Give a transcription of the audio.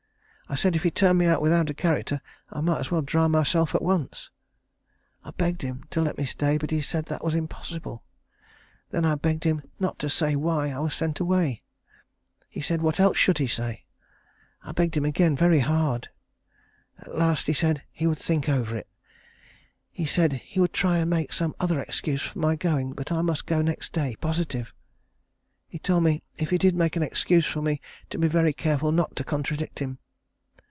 I said if he turned me out without a character I might as well drown myself at once. I begged him to let me stay; but he said that was impossible. Then I begged him not to say why I was sent away. He said, what else could he say? I begged him again very hard. At last he said he would think over it. He said he would try and make some other excuse for my going, but I must go next day, positive. He told me if he did make an excuse for me to be very careful not to contradict him.